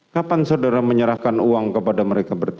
lalu suami saya pergi keluar dari kamar